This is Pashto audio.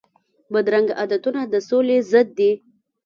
بدرنګه عادتونه د سولي ضد دي